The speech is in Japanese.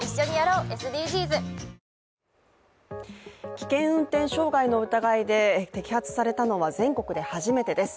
危険運転傷害の疑いで摘発されたのは全国で初めてです。